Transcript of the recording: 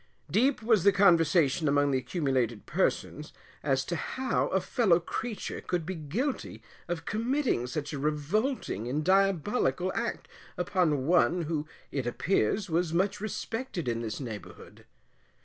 Deep was the conversation among the accumulated persons, as to how a fellow creature could be guilty of committing such a revolting and diabolical act upon one, who, it appears, was much respected in this neighbourhood.